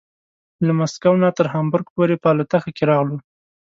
له مسکو نه تر هامبورګ پورې په الوتکه کې راغلو.